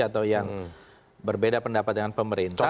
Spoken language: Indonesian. atau yang berbeda pendapat dengan pemerintah